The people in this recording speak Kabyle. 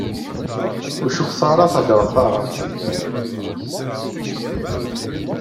Ur cukkeɣ ara thedder taɛebrit.